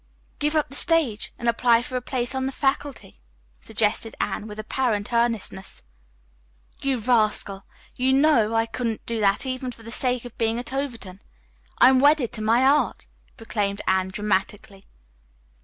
"Give up the stage, and apply for a place on the faculty," suggested Grace with apparent earnestness. "You rascal! You know I couldn't do that even for the sake of being at Overton. I am wedded to my art," proclaimed Anne dramatically.